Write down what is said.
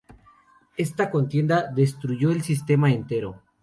Esta contienda destruyó el sistema entero.